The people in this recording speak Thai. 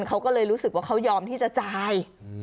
เขาก็เลยรู้สึกว่าเขายอมที่จะจ่าย